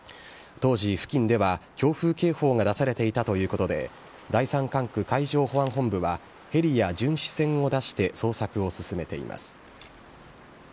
当時、付近では強風警報が出されていたということで、第３管区海上保安本部は、ヘリや巡視船を出して捜索を進めています。